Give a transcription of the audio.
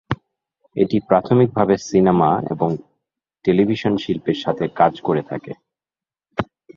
এটি প্রাথমিকভাবে সিনেমা এবং টেলিভিশন শিল্পের সাথে কাজ করে থাকে।